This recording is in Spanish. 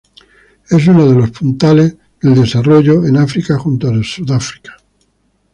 Es uno de los puntales del desarrollo en África junto a Sudáfrica.